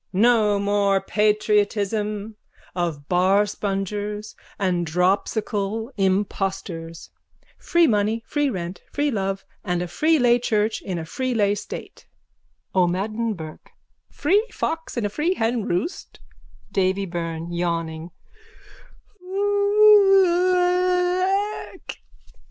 No more patriotism of barspongers and dropsical impostors. Free money, free rent, free love and a free lay church in a free lay state. O'MADDEN BURKE: Free fox in a free henroost. DAVY BYRNE: _(Yawning.)